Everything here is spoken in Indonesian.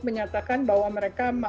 menyatakan bahwa mereka